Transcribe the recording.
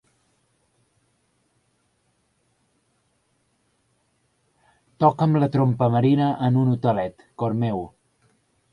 Toca'm la trompa marina en un hotelet, cor meu.